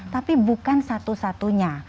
tapi bukan satu satunya